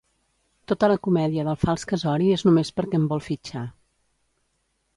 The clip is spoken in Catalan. Tota la comèdia del fals casori és només perquè em vol fitxar.